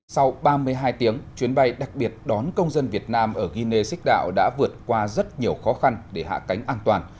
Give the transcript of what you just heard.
sau ba mươi hai tiếng chuyến bay đặc biệt đón công dân việt nam ở guinea six dao đã vượt qua rất nhiều khó khăn để hạ cánh an toàn